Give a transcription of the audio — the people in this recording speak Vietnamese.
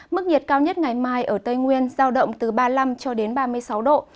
mức nhiệt cao nhất ngày mai ở tây nguyên giao động từ ba mươi năm cho đến ba mươi sáu độ